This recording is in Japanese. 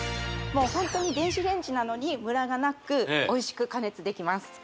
もうホントに電子レンジなのにムラがなくおいしく加熱できます